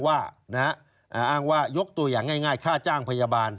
อ้างว่ายกตัวอย่างง่ายค่าจ้างพยาบาล